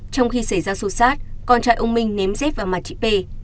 trong khi xảy ra xô xát con trai ông minh ném dép vào mặt chị p